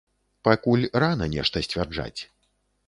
Пакуль рана нешта сцвярджаць.